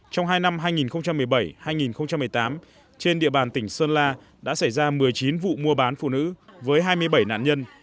trong hai năm hai nghìn một mươi bảy hai nghìn một mươi tám trên địa bàn tỉnh sơn la đã xảy ra một mươi chín vụ mua bán phụ nữ với hai mươi bảy nạn nhân